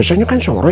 biasanya kan sore